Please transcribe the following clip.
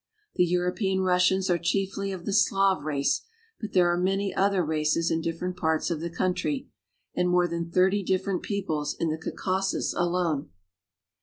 The European Russians are chiefly of the Slav race, but there are many other races in different parts of the country, and more than thirty different peoples in the Caucasus alone.